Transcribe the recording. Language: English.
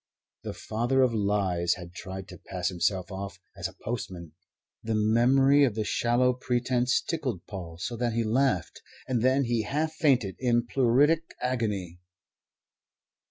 The Father of Lies had tried to pass himself off as a postman. The memory of the shallow pretence tickled Paul so that he laughed; and then he half fainted in pleuritic agony.